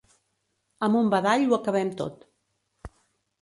Amb un badall ho acabem tot.